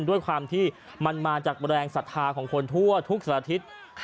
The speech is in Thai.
ด้วยความที่มันมาจากแรงศรัทธาของคนทั่วทุกสัตว์ทิตย์